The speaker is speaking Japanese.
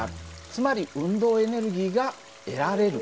つまり運動エネルギーが得られる。